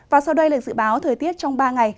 và sau đây là dự báo thời tiết trong ba ngày